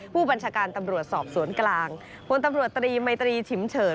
ผู้บัญชาการตำรวจสอบสวนกลางพลตำรวจตรีมัยตรีฉิมเฉิน